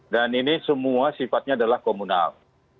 dan ini semua sifatnya adalah komunal